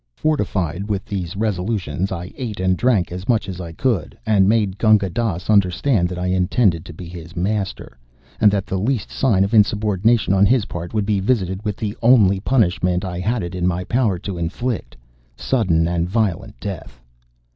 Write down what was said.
Fortified with these resolutions, I ate and drank as much as I could, and made Gunga Dass understand that I intended to be his master, and that the least sign of insubordination on his part would be visited with the only punishment I had it in my power to inflict sudden and violent death.